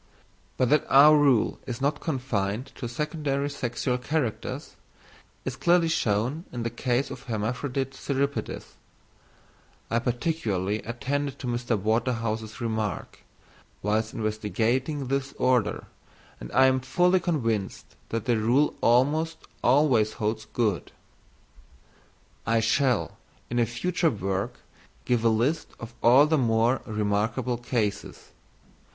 But that our rule is not confined to secondary sexual characters is clearly shown in the case of hermaphrodite cirripedes; I particularly attended to Mr. Waterhouse's remark, whilst investigating this Order, and I am fully convinced that the rule almost always holds good. I shall, in a future work, give a list of all the more remarkable cases.